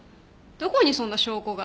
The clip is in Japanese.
どこにそんな証拠が？